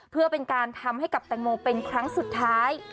เพื่อเป็นการทำให้กับแตงโมเป็นครั้งสุดท้าย